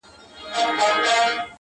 په اور دي وسوځم، په اور مي مه سوځوه.